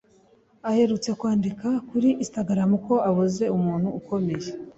aherutse kwandika kuri Instagram ko ‘abuze umuntu ukomeye